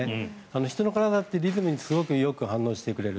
人の体ってリズムにすごくよく反応してくれる。